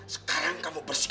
sekarang kamu bersikap